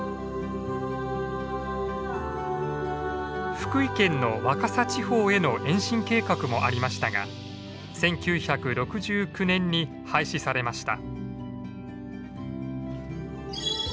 福井県の若狭地方への延伸計画もありましたが１９６９年に廃止されました。